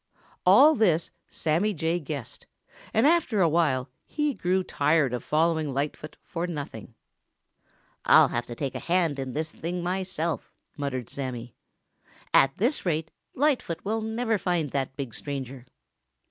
All this Sammy Jay guessed, and after a while he grew tired of following Lightfoot for nothing. "I'll have to take a hand in this thing myself," muttered Sammy. "At this rate, Lightfoot never will find that big stranger!"